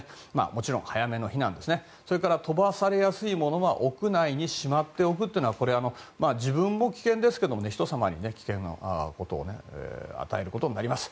もちろん、早めの避難やそれから飛ばされやすいものは屋内にしまっておくということは自分も危険ですけど人様に危険を与えることになります。